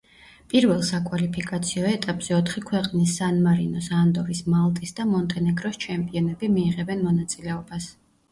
პირველ საკვალიფიკაციო ეტაპზე ოთხი ქვეყნის, სან-მარინოს, ანდორის, მალტის და მონტენეგროს ჩემპიონები მიიღებენ მონაწილეობას.